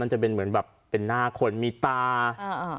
มันจะเป็นเหมือนแบบเป็นหน้าคนมีตาเออเออ